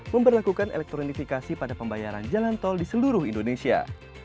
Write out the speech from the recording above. memperlakukan elektronifikasi pada pembayaran jalan tol di seluruh indonesia